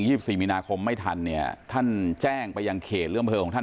สิบสี่มีนาคมไม่ทันเนี่ยท่านแจ้งไปยังเขตเริ่มเผลอของท่าน